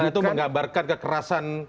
karena itu menggambarkan kekerasan